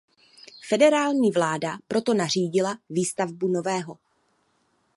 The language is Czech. Federální vláda proto nařídila výstavbu nového.